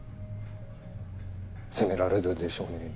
責められるでしょうね。